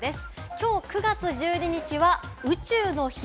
きょう９月１２日は宇宙の日。